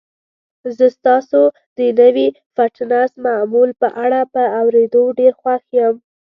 زه ستاسو د نوي فټنس معمول په اړه په اوریدو ډیر خوښ یم.